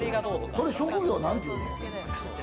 それ職業なんていうの？